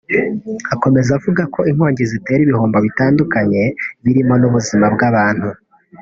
Akomeza avuga ko inkongi zitera ibihombo bitandukanye birimo n’ubuzima bw’abantu